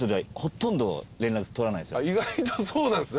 意外とそうなんですね。